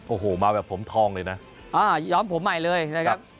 โอ้โหมาแบบผมทองเลยนะย้อมผมใหม่เลยนะครับ